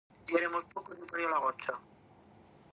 There have been several upgrades to the facility in recent years.